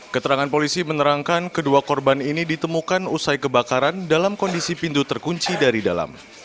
keterangan polisi menerangkan kedua korban ini ditemukan usai kebakaran dalam kondisi pintu terkunci dari dalam